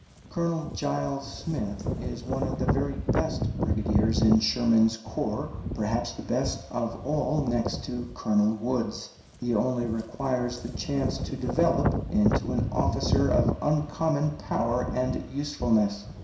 Colonel Giles Smith is one of the very best brigadiers in Sherman's corps, perhaps the best of all next to Colonel Woods. He only requires the chance to develop into an officer of uncommon power and usefulness.